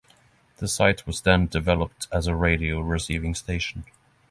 The site was then developed as a radio receiving station.